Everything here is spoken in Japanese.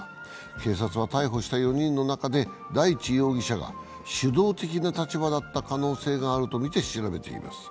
警察は、逮捕した４人の中で大地容疑者が主導的な立場だった可能性があるとみて調べています。